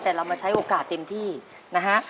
แต่เรามาใช้โอกาสเต็มที่นะฮะ